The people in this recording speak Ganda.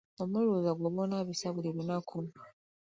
Omululuuza gwoba onaabisa buli lunaku.